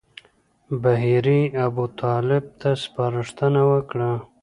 بهیري ابوطالب ته سپارښتنه وکړه.